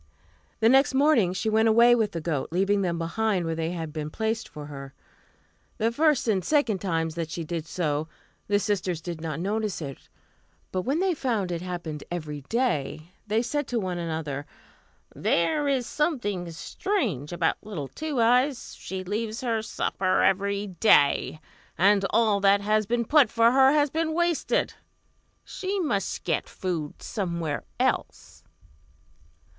The next morning she went away with the goat, leaving them behind where they had been placed for her. The first and second times that she did so, the sisters did not notice it; but when they found it happened every day, they said one to the other, "There is something strange about little Two Eyes, she leaves her supper every day, and all that has been put for her has been wasted; she must get food somewhere else."